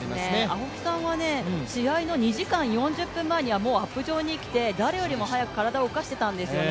青木さんは試合の２時間４０分前にはアップ場に来て、誰よりも早く体を動かしていたんですよね。